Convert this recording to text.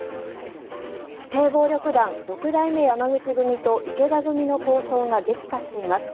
指定暴力団六代目山口組と池田組の抗争が激化しています。